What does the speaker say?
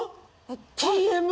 Ｔ．Ｍ